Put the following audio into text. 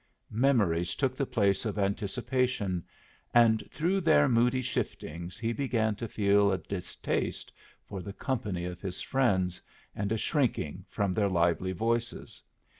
Memories took the place of anticipation, and through their moody shiftings he began to feel a distaste for the company of his friends and a shrinking from their lively voices.